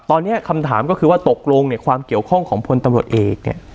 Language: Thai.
ตอนนี้คำถามก็คือว่าตกลงเนี่ยความเกี่ยวข้องของพลตำรวจเอกเนี่ย